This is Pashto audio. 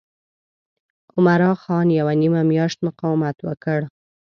عمرا خان یوه نیمه میاشت مقاومت وکړ.